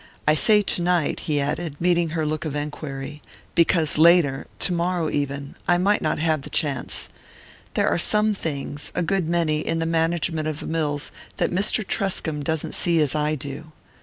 I say tonight," he added, meeting her look of enquiry, "because later tomorrow even I might not have the chance. There are some things a good many in the management of the mills that Mr. Truscomb doesn't see as I do.